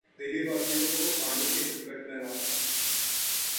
दिल्लीवासियों को पानी के संकट से राहत